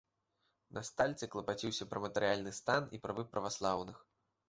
На стальцы клапаціўся пра матэрыяльны стан і правы праваслаўных.